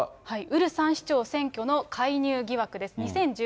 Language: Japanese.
ウルサン市長選挙の介入疑惑です。